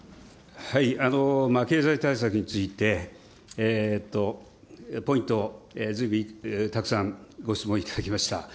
経済対策について、ポイント、ずいぶんたくさんご質問いただきました。